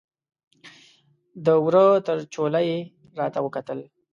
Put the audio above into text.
د وره تر چوله یې راته وکتل